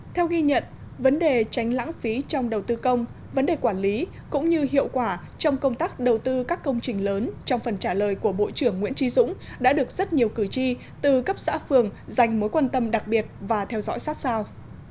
theo ghi nhận vấn đề tránh lãng phí trong đầu tư công vấn đề quản lý cũng như hiệu quả trong công tác đầu tư các công trình lớn trong phần trả lời của bộ trưởng nguyễn trí dũng đã được rất nhiều cử tri từ cấp xã phường dành mối quan tâm đặc biệt và theo dõi sát sao